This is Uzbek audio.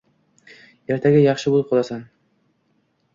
Ertaga yaxshi bo‘lib qolasan.